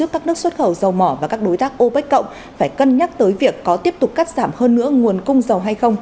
các nước xuất khẩu dầu mỏ và các đối tác opec cộng phải cân nhắc tới việc có tiếp tục cắt giảm hơn nữa nguồn cung dầu hay không